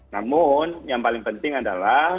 namun yang paling penting adalah